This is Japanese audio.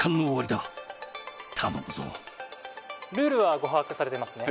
ルールはご把握されていますね？